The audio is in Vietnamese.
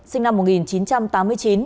sinh năm một nghìn chín trăm tám mươi chín